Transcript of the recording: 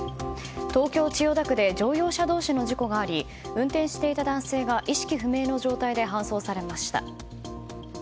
東京・千代田区で乗用車同士の事故があり運転していた男性が意識不明の状態で搬送されました。